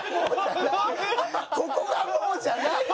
「ここがもう」じゃないわ。